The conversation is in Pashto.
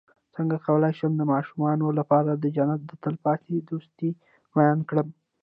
څنګه کولی شم د ماشومانو لپاره د جنت د تل پاتې دوستۍ بیان کړم